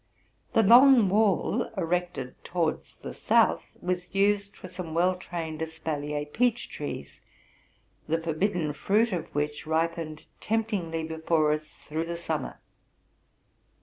'The long wall, erected towards RELATING TO MY LIFE. 33 the south, was used for some well trained espalier peach trees, the forbidden fruit of which ripened temptingly before us through the summer.